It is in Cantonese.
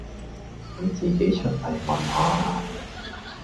你自己出嚟聞吓呀